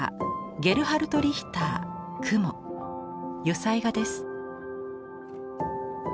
油彩画です。